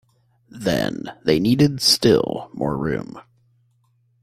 Then they needed still more room.